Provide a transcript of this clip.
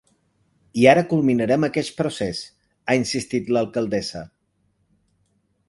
I ara culminarem aqueix procés, ha insistit l’alcaldessa.